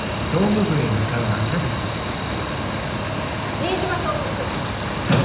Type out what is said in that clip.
新島総務部長。